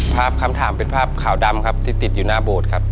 ภาพคำถามเป็นภาพขาวดำครับที่ติดอยู่หน้าโบสถ์ครับ